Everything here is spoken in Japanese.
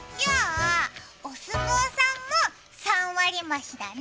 お相撲さんも３割増しだね。